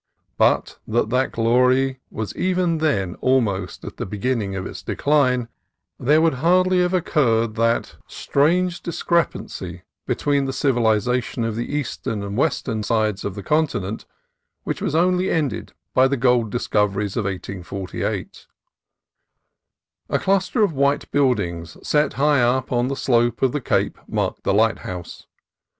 But that that glory was even then almost at the beginning of its decline, there would hardly have occurred that 292 CALIFORNIA COAST TRAILS strange discrepancy between the civilization of the eastern and western sides of the continent which was only ended by the gold discoveries of 1848. A cluster of white buildings set high up on the slope of the cape marked the lighthouse.